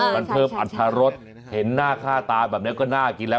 มันเพิ่มอัตรรสเห็นหน้าค่าตาแบบนี้ก็น่ากินแล้ว